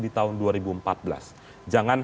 di tahun dua ribu empat belas jangan